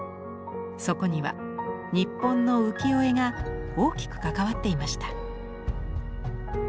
そこには日本の浮世絵が大きく関わっていました。